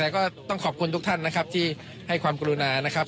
แต่ก็ต้องขอบคุณทุกท่านนะครับที่ให้ความกรุณานะครับ